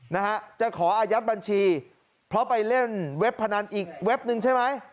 นะฮะจะขออายัดบัญชีเพราะไปเล่นเว็บพนันอีกเว็บนึงใช่ไหม